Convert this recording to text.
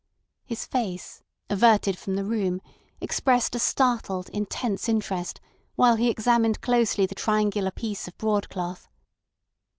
His face, averted from the room, expressed a startled intense interest while he examined closely the triangular piece of broad cloth.